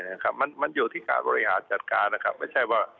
นี่มันอยู่ที่ขาดบริหารจัดการนะครับ